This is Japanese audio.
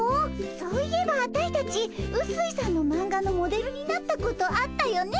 そういえばアタイたちうすいさんのマンガのモデルになったことあったよね。